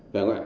phải không ạ